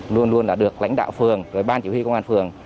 luôn luôn được lãnh đạo phường ban chỉ huy công an phường